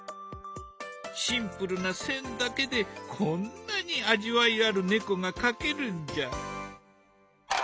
シンプルな線だけでこんなに味わいある猫が描けるんじゃ。